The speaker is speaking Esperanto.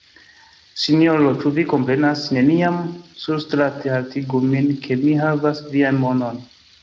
Sinjoro, ĉu vi komprenas? Neniam surstrate haltigu min ke mi havas vian monon.